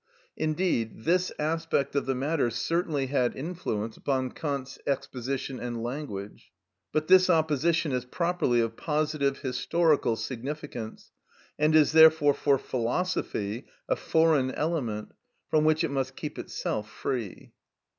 Indeed this aspect of the matter certainly had influence upon Kant's exposition and language. But this opposition is properly of positive, historical significance, and is therefore for philosophy a foreign element, from which it must keep itself free.